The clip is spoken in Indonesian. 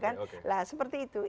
nah seperti itu